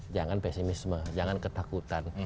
jangan pesimisme jangan ketakutan